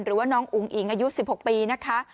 หรือว่าน้องอุ๋งอิ๋งอายุ๑๖ปีนะคะ